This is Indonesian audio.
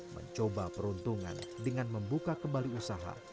mencoba peruntungan dengan membuka kembali usaha